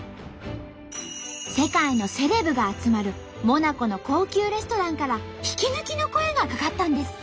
世界のセレブが集まるモナコの高級レストランから引き抜きの声がかかったんです。